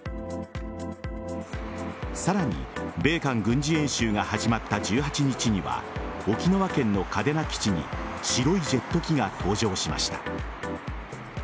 さらに米韓軍事演習が始まった１８日には沖縄県の嘉手納基地に白いジェット機が登場しました。